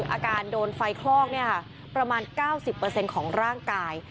อาการโดนไฟคลอกประมาณ๙๐ของร่างกาย